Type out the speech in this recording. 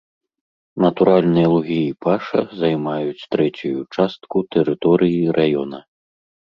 Натуральныя лугі і паша займаюць трэцюю частку тэрыторыі раёна.